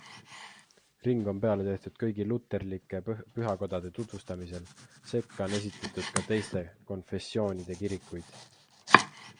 Ring on peale tehtud kõigi luterlike pühakodade tutvustamisel, sekka on esitletud ka teiste konfessioonide kirikuid.